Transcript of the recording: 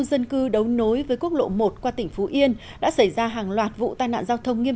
dân cư đấu nối với quốc lộ một qua tỉnh phú yên đã xảy ra hàng loạt vụ tai nạn giao thông nghiêm